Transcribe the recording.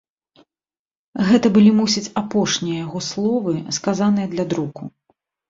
Гэта былі, мусіць, апошнія яго словы, сказаныя для друку.